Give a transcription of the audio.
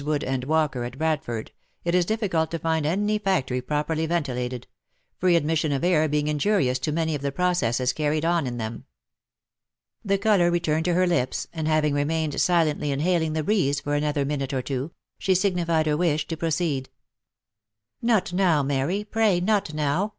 Wood and Walker, at Bradford, it is difficult to find any factory properly ventilated — free admission of air being injurious to many of the processes carried on in them. 238 THE LIFE AND ADVENTURES haling the breeze for another minute or two, she signified her wish to proceed. " Not now, Mary ! Pray, not now